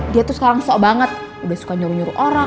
dia tuh sekarang so banget udah suka nyuruh nyuruh orang